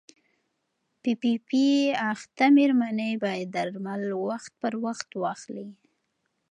پي پي پي اخته مېرمنې باید درمل وخت پر وخت واخلي.